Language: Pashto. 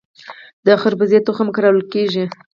د خربوزې تخم کرل کیږي؟